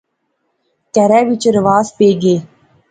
کہرے وچ رواس پئی گے